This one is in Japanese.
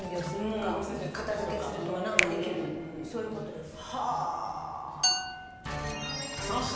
そういう事です。はあ。